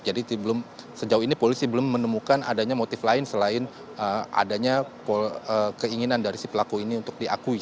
jadi sejauh ini polisi belum menemukan adanya motif lain selain adanya keinginan dari si pelaku ini untuk diakui